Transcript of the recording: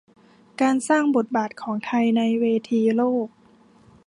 การสร้างบทบาทของไทยในเวทีโลก